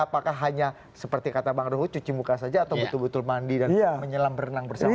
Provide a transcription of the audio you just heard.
apakah hanya seperti kata bang ruhut cuci muka saja atau betul betul mandi dan menyelam berenang bersama